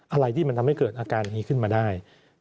อะไรที่มันทำให้เกิดอาการอย่างนี้ขึ้นมาได้